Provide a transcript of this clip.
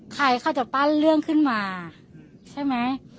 ใครเขาจะปั้นเรื่องขึ้นมาใช่ไหม